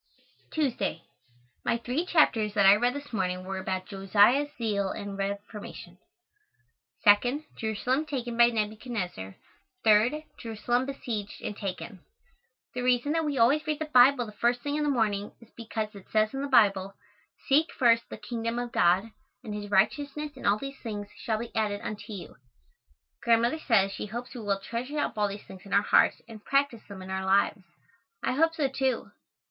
Tuesday. My three chapters that I read this morning were about Josiah's zeal and reformation; 2nd, Jerusalem taken by Nebuchadnezzar; 3rd, Jerusalem besieged and taken. The reason that we always read the Bible the first thing in the morning is because it says in the Bible, "Seek first the kingdom of God and His righteousness and all these things shall be added unto you." Grandmother says she hopes we will treasure up all these things in our hearts and practice them in our lives. I hope so, too.